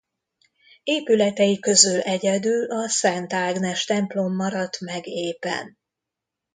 Épületei közül egyedül a Szent Ágnes templom maradt meg épen.